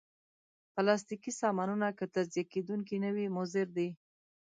پلاستيکي سامانونه که تجزیه کېدونکي نه وي، مضر دي.